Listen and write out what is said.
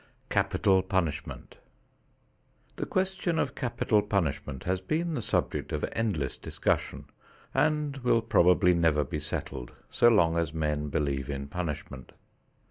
XXIII CAPITAL PUNISHMENT The question of capital punishment has been the subject of endless discussion and will probably never be settled so long as men believe in punishment.